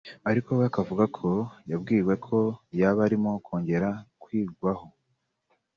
ariko we akavuga ko ngo yabwiwe ko yaba arimo kongera kwigwaho